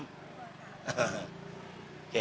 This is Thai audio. พี่ปสาม